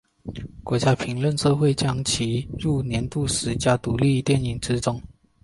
国家评论协会将其列入年度十佳独立电影之中。